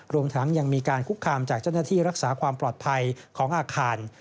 รวมทั้งยังมีการคุกคามจากเจ้าหน้าที่รักษาความปลอดภัยของอาคาร